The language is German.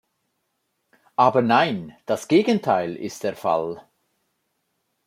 Aber nein, das Gegenteil ist der Fall!